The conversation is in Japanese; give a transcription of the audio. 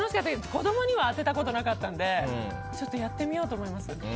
子供には当てたことがなかったのでちょっとやってみようと思います。